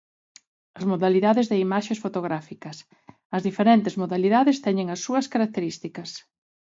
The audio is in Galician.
As modalidades de imaxes fotográficas As diferentes modalidades teñen as súas características.